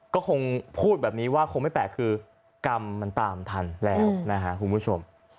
ก็คงพูดแบบนี้ว่าคงไม่แปลกคือกรรมมันตามทันแล้วนะฮะคุณผู้ชม